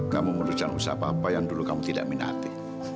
kamu merusak usaha papa yang dulu kamu tidak minati